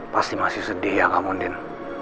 pasti masih sedih ya kamu andin